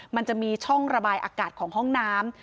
มันจะมีช่องระบายอากาศของห้องน้ำ